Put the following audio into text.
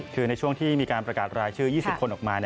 คือในช่วงที่มีการประกาศรายชื่อ๒๐คนออกมา